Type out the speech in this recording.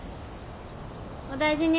お大事に。